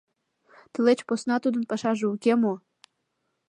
Тылеч посна Тудын пашаже уке мо?